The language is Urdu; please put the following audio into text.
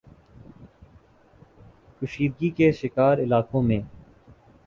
کشیدگی کے شکار علاقوں میں